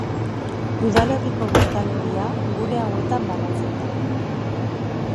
Udalerriko biztanleria gune hauetan banatzen da.